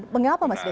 mengapa mas dave